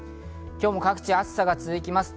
今日も各地、暑さが続きます。